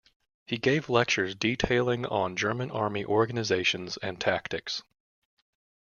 He gave lectures detailing on German army organizations and tactics.